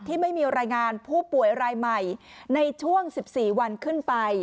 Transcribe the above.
ไม่มีรายงานผู้ป่วยรายใหม่ในช่วง๑๔วันขึ้นไป